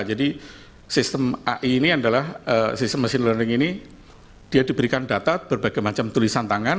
jadi sistem ai ini adalah sistem machine learning ini dia diberikan data berbagai macam tulisan tangan